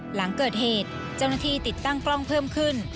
หลังเกิดเหตุเจ้าหน้าที่ติดตั้งกล้องเพิ่มขึ้น